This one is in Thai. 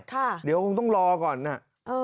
ค่ะเดี๋ยวเขาต้องรอก่อนน่ะเออ